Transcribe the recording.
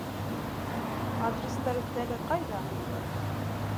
Адрестар өҫтәле ҡайҙа?